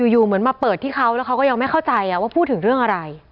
อยู่เหมือนมาเปิดที่เขาแล้วเขาก็ยังไม่เข้าใจว่าพูดถึงเรื่องอะไร